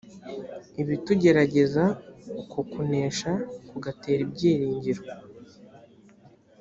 ibitugerageza uko kunesha kugatera ibyiringiro